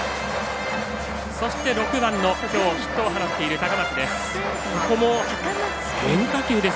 そして、６番のきょうヒットを放っている高松です。